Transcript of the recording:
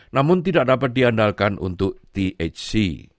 namun tidak dapat diandalkan untuk thc